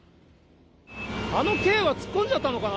あの軽は突っ込んじゃったのかな。